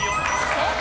正解。